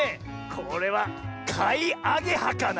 これはかいアゲハかな？